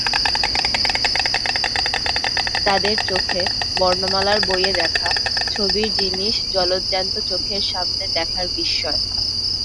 তাদের চোখে বর্ণমালার বইয়ে দেখা ছবির জিনিস জলজ্যান্ত চোখের সামনে দেখার বিস্ময়।